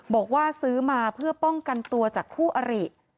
บอกว่าซื้อมาเพื่อป้องกันตัวจากคู่อริ